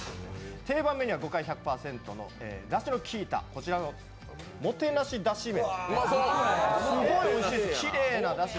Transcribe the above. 定番メニューは魚介１００％のだしのきいたこちらの饗だし麺。